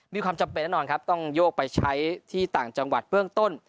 มีความจำเป็นแน่นอนครับต้องโยกไปใช้ที่ต่างจังหวัดเบื้องต้น